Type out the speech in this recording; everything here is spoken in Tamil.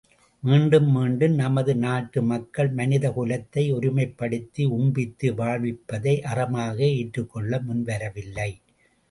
மீண்டும் மீண்டும் நமது நாட்டு மக்கள் மனித குலத்தை ஒருமைப்படுத்தி உண்பித்து வாழ்விப்பதை அறமாக ஏற்றுக் கொள்ள முன்வரவில்லை!